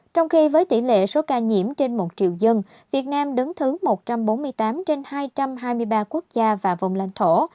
trong khi với tỷ lệ số ca nhiễm trên một triệu dân việt nam đứng thứ một trăm bốn mươi tám trên hai trăm hai mươi ba quốc gia và vùng lãnh thổ